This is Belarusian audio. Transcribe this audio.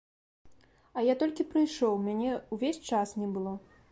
А я толькі прыйшоў, мяне ўвесь час не было.